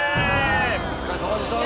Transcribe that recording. お疲れさまでした。